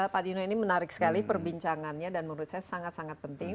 pak dino ini menarik sekali perbincangannya dan menurut saya sangat sangat penting